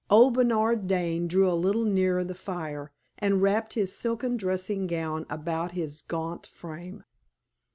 Old Bernard Dane drew a little nearer the fire, and wrapped his silken dressing gown about his gaunt frame.